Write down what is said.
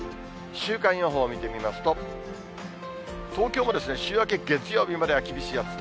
週間予報見てみますと、東京も、週明け月曜日までは厳しい暑さ。